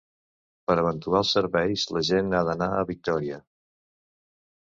Per eventuals serveis la gent ha d'anar a Victòria.